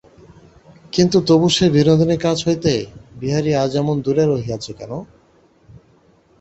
কিন্তু তবু সেই বিনোদিনীর কাছ হইতে বিহারী আজ এমন দূরে রহিয়াছে কেন।